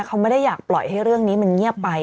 เขาไม่ได้อยากปล่อยให้เรื่องนี้มันเงียบไป